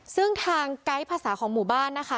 ซึ่งทางไกด์ภาษาของหมู่บ้านนะคะ